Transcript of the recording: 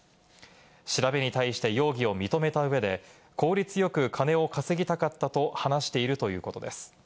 調べに対して容疑を認めた上で効率よく金を稼ぎたかったと話しているということです。